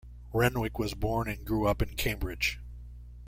Renwick was born and grew up in Cambridge.